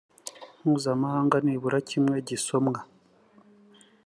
mpuzamahanga nibura kimwe gisomwa